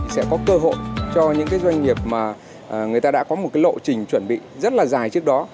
sẽ có cơ hội cho những doanh nghiệp mà người ta đã có một lộ trình chuẩn bị rất là dài trước đó